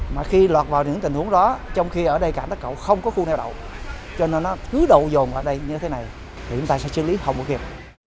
mà khi loạt vào những tình huống đó trong khi ở đây cản tất cả không có khu nèo đậu cho nên nó cứ đậu dồn vào đây như thế này thì chúng ta sẽ xử lý không có kiếp